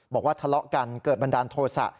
บอกว่าทะเลาะกันเกิดบันดาลโทษะ